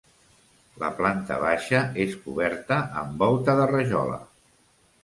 La planta baixa és coberta amb volta de rajola.